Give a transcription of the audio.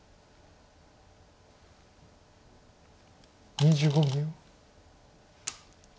２５秒。